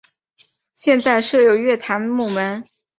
现在设有月台幕门。